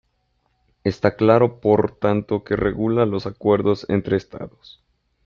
Es claro por tanto que regula los acuerdos entre Estados.